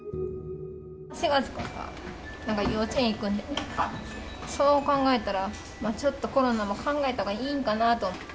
４月からなんか幼稚園行くんで、そう考えたら、ちょっとコロナも考えたほうがいいんかなと。